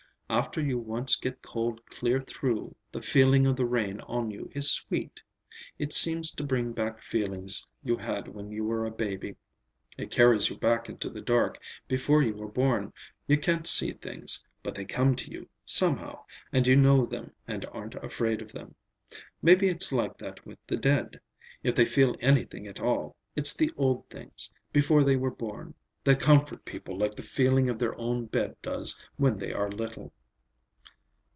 After you once get cold clear through, the feeling of the rain on you is sweet. It seems to bring back feelings you had when you were a baby. It carries you back into the dark, before you were born; you can't see things, but they come to you, somehow, and you know them and aren't afraid of them. Maybe it's like that with the dead. If they feel anything at all, it's the old things, before they were born, that comfort people like the feeling of their own bed does when they are little."